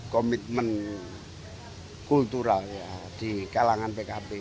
komitmen kultural ya di kalangan pkb